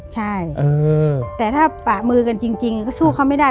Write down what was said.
ใช่แต่ถ้าปากมือกันจริงก็สู้เขาไม่ได้